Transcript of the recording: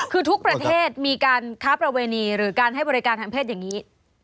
คือทุกประเทศมีการค้าประเวณีหรือการให้บริการทางเพศอย่างนี้